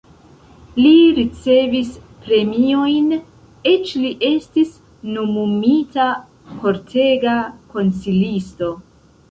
Li ricevis premiojn, eĉ li estis nomumita kortega konsilisto.